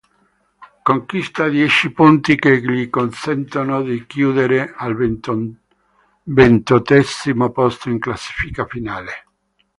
Conquista dieci punti che gli consentono di chiudere al ventottesimo posto in classifica finale.